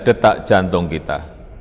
detak jantung kita